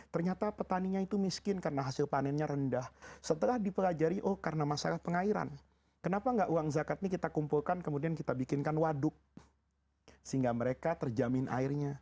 ternyata petaninya itu miskin karena hasil panennya rendah setelah dipelajari oh karena masalah pengairan kenapa enggak uang zakat ini kita kumpulkan kemudian kita bikinkan waduk sehingga mereka terjamin airnya